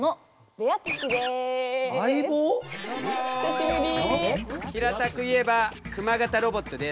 久しぶり。